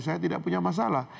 saya tidak punya masalah